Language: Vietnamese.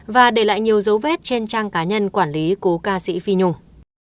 và để lại nhiều dấu vết trên trang cá nhân quản lý cố ca sĩ phi nhung